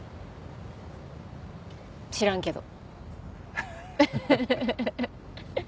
知らんけど。